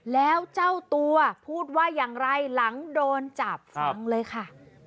แล้วเจ้าตัวพูดว่าอย่างไรหลังโดนจับฟังเลยค่ะ